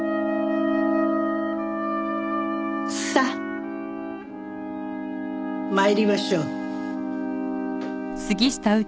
さあ参りましょう。